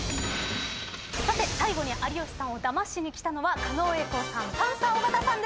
さて最後に有吉さんをダマしに来たのは狩野英孝さん